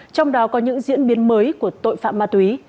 trong đó có những diễn biến mới của tội phạm ma túy